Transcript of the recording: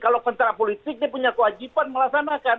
kalau kontrak politik dia punya kewajiban melaksanakan